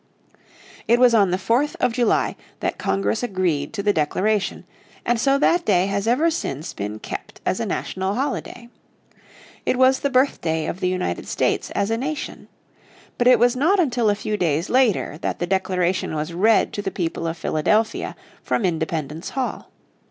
It was on the 4th of July that Congress agreed to the declaration, and so that day has ever since been kept as a national holiday. It was the birthday of the United States as a Nation. But it was not until a few days later that the Declaration was read to the people of Philadelphia from Independence Hall.